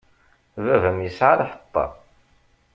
Baba-m yesɛa lḥeṭṭa.